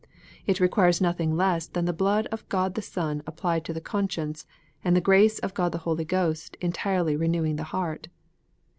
It requires nothing less than the blood of God the Son applied to the conscience, and the grace of God the Holy Ghost entirely renewing the heart.